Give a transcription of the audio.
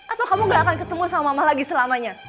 atau kamu gak akan ketemu sama mama lagi selamanya